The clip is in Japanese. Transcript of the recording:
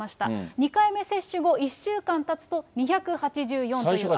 ２回目接種後１週間たつと２８４という値。